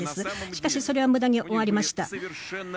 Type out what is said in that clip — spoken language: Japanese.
しかしそれは無駄に終わりました。